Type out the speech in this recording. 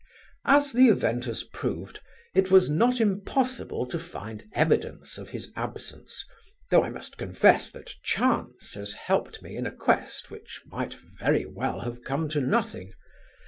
As the event has proved, it was not impossible to find evidence of his absence, though I must confess that chance has helped me in a quest which might very well have come to nothing.